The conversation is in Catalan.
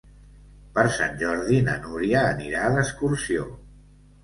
Per Sant Jordi na Núria anirà d'excursió.